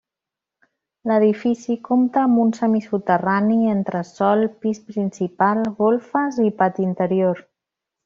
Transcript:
L'edifici compta amb un semisoterrani, entresòl, pis principal, golfes i pati interior.